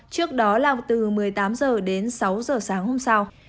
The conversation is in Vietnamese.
trước đó là từ một mươi tám h đến sáu h sáng hôm sau